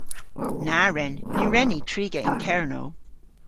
Na wren! Ny wren ni triga yn Kernow.